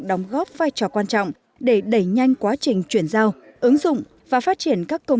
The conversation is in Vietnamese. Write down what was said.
đóng góp vai trò quan trọng để đẩy nhanh quá trình chuyển giao ứng dụng và phát triển các công